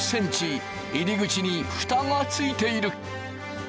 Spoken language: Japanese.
入り口にふたがついている。